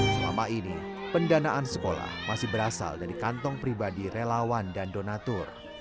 selama ini pendanaan sekolah masih berasal dari kantong pribadi relawan dan donatur